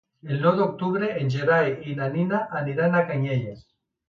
El nou d'octubre en Gerai i na Nina aniran a Canyelles.